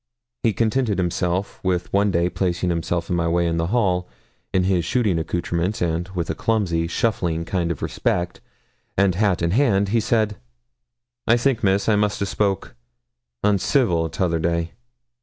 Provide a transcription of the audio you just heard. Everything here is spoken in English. He contented himself with one day placing himself in my way in the hall in his shooting accoutrements, and, with a clumsy, shuffling kind of respect, and hat in hand, he said 'I think, Miss, I must a spoke uncivil t'other day.